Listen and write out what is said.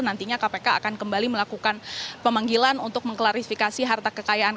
nantinya kpk akan kembali melakukan pemanggilan untuk mengklarifikasi harta kekayaan